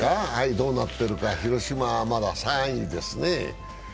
どうなってるか、広島はまだ３位ですね。